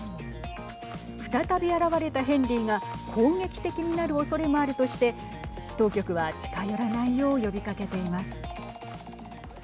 再び現れたヘンリーが攻撃的になるおそれもあるとして当局は近寄らないよう呼びかけています。